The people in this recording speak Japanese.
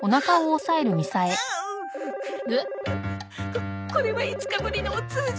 ここれは５日ぶりのお通じ。